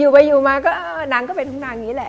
อยู่ไปอยู่มานางก็เป็นผู้นางนี้แหละ